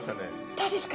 どうですか？